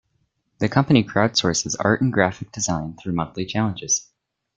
The company crowdsources art and graphic design through monthly challenges.